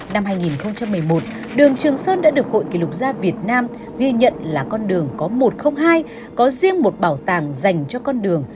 năm hai nghìn một mươi một đường trường sơn đã được hội kỷ lục gia việt nam ghi nhận là con đường có một trăm linh hai